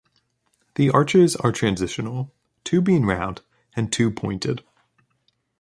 The arches are transitional, two being round and two pointed.